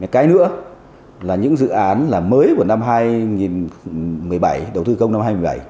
cái nữa là những dự án là mới của năm hai nghìn một mươi bảy đầu tư công năm hai nghìn một mươi bảy